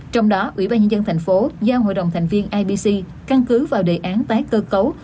trong đó ủy ban nhân dân thành phố giao hội đồng thành viên ibc căn cứ vào đề án tái cơ cấu